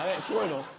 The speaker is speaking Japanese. すごいの？